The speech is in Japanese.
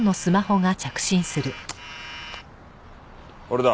俺だ。